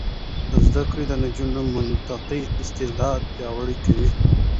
زده کړه د نجونو منطقي استدلال پیاوړی کوي.